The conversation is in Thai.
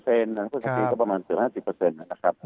คุณศิกรรมนี้ก็ประมาณ๕๐นะครับ